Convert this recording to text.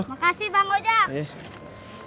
makasih bang gojak